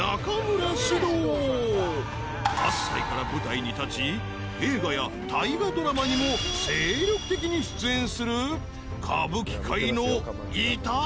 ［８歳から舞台に立ち映画や大河ドラマにも精力的に出演する］